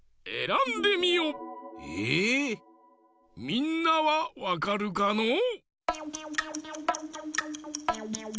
みんなはわかるかのう？